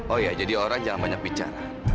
oh ya jadi orang jangan banyak bicara